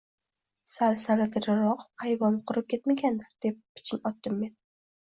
– Sal savlatliroq hayvon qurib ketmagandir! – deb piching otdim men